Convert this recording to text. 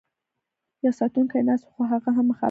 یو ساتونکی ناست و، خو هغه هم مخامخ کتل.